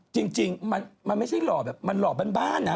จริงมันไม่ใช่หรอกนี้มันหลอกบั้นนะ